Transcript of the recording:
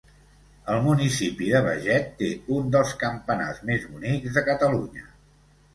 El municipi de Beget té un dels campanars més bonics de Catalunya.